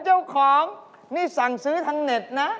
เจ้าของนี่สั่งซื้อทางเน็ตนะ